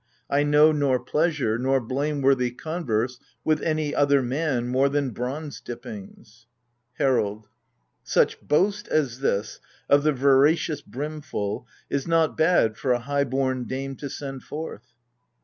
I know nor pleasure, nor blameworthy converse With any other man more than — ^bronze dippings ! HERALD. Such boast as this — of the veracious brimful — Is not bad for a high born dame to send forth